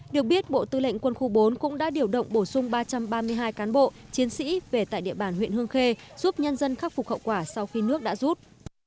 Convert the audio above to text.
được biết bộ tư lệnh quân khu bốn cũng đã điều động bổ sung ba trăm ba mươi hai cán bộ chiến sĩ về tại địa bàn huyện hương khê giúp nhân dân khắc phục hậu quả sau khi nước đã rút